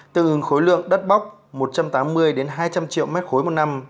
tương ứng khối lượng đất bóc một trăm tám mươi hai trăm linh triệu m ba một năm